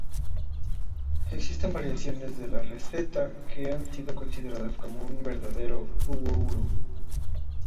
Existen variaciones de la receta que no han sido consideradas como un verdadero Bauru.